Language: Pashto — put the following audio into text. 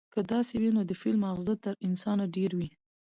که داسې وي، نو د فيل ماغزه تر انسانه ډېر وي،